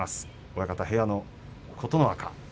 親方、部屋の琴ノ若です。